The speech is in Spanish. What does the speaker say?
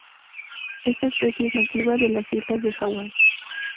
Está especie es nativa, de las islas de Hawái.